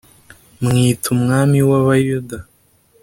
mwita umwami w Abayuda